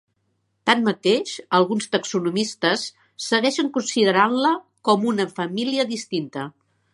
Tanmateix alguns taxonomistes segueixen considerant-la com una família distinta.